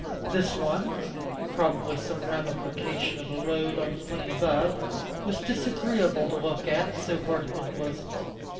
This one probably some ramification of a road on the plain above was disagreeable to look at, so vertical was it.